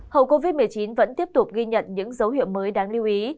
hậu covid một mươi chín vẫn tiếp tục ghi nhận những dấu hiệu mới đáng lưu ý